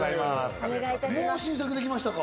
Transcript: もう新作できましたか？